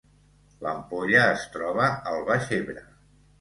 L’Ampolla es troba al Baix Ebre